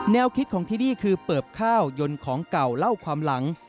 คิดของที่นี่คือเปิบข้าวยนต์ของเก่าเล่าความหลัง